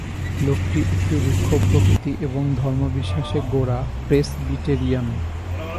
লোকটি একটু রুক্ষপ্রকৃতি এবং ধর্ম বিশ্বাসে গোঁড়া প্রেসবিটেরিয়ান।